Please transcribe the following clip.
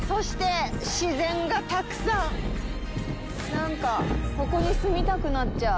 なんか、ここに住みたくなっちゃう。